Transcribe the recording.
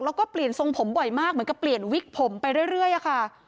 แล้วก็เปลี่ยนทรงผมบ่อยมากเหมือนกับเปลี่ยนวิกผมไปเรื่อยอะค่ะ